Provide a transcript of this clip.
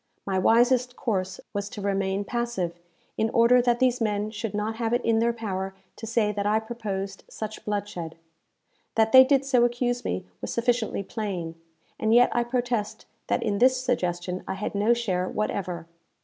My wisest course was to remain passive, in order that these men should not have it in their power to say that I proposed such bloodshed. That they did so accuse me was sufficiently plain, and yet I protest that in this suggestion I had no share whatever.